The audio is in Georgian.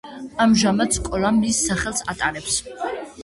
ამჟამად სკოლა მის სახელს ატარებს.